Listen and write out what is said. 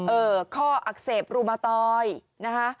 ข้ออักเสบรูมาตอยนะคะ